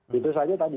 begitu saja tadi